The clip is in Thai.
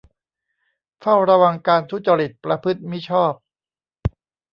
เฝ้าระวังการทุจริตประพฤติมิชอบ